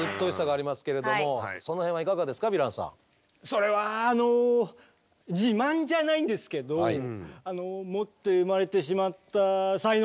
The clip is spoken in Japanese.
それはあの自慢じゃないんですけど持って生まれてしまった才能？